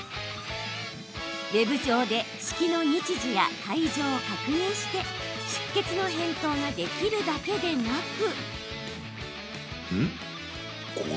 ウェブ上で式の日時や会場を確認して出欠の返答ができるだけでなく。